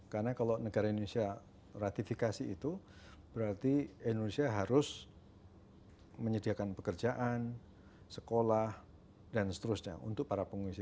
karena kalau negara indonesia ratifikasi itu berarti indonesia harus menyediakan pekerjaan sekolah dan seterusnya untuk para pengungsi